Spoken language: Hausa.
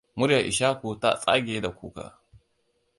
Muryar Ishaku ta tsage da kuka.